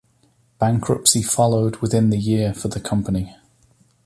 Bankruptcy followed within the year for the company.